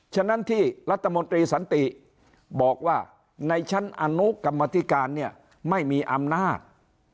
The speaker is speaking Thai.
ฉะนั้นที่รัฐมนตรีสันติบอกว่าในชั้นอนุกรรมธิการเนี่ยไม่มีอำนาจ